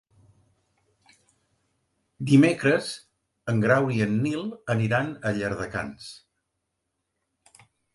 Dimecres en Grau i en Nil aniran a Llardecans.